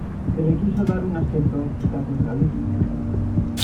Se le quiso dar un aspecto catedralicio.